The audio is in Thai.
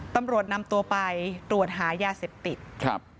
ตำรวจนำตัวไปตรวจหายากศัตรูติ